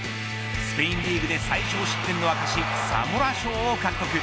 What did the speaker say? スペインリーグで最少失点の証サモラ賞を獲得。